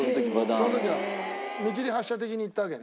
その時は見切り発車的に言ったわけね。